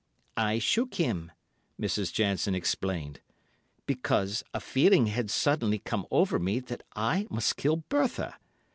"I shook him," Mrs. Jansen explained, "because a feeling had suddenly come over me that I must kill Bertha.